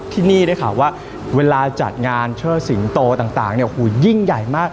ที่นี่ได้ข่าวว่าเวลาจัดงานเชิดสิงโตต่างเนี่ยหูยิ่งใหญ่มาก